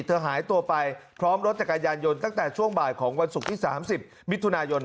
หายตัวไปพร้อมรถจักรยานยนต์ตั้งแต่ช่วงบ่ายของวันศุกร์ที่๓๐มิถุนายน